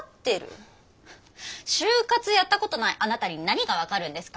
就活やったことないあなたに何が分かるんですか？